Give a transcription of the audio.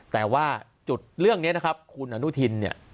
แต่ว่าจุดเรื่องนี้นะครับคุณอนุทินเนี่ย